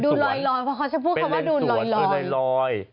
ลอยเพราะเขาจะพูดคำว่าดูลอย